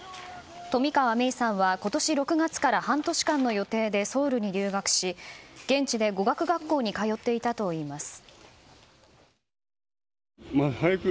冨川芽生さんは今年６月から半年間の予定でソウルに留学し現地で語学学校に通っていたといいます。